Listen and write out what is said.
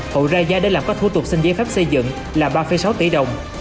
hội ra gia để làm các thủ tục xin giấy phép xây dựng là ba sáu tỷ đồng